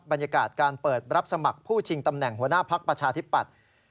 บรรยากาศการเปิดรับสมัครผู้ชิงตำแหน่งหัวหน้าพักประชาธิปัตย์